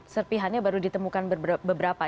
serpihannya baru ditemukan beberapa